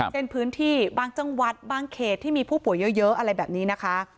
เช่นพื้นที่บางจังหวัดบางเขตที่มีผู้ป่วยเยอะอะไรแบบนี้นะคะ